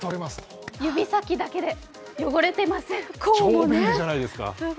指先だけで、汚れていません。